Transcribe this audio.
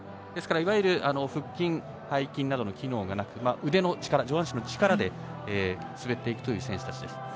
ですから、いわゆる腹筋・背筋などの機能がなく腕の力上半身の力で滑っていく選手たちです。